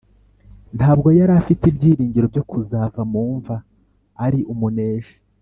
ntabwo yari afite ibyiringiro byo kuzava mu mva ari umuneshi